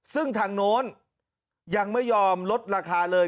ซึ่งทางโน้นยังไม่ยอมลดราคาเลย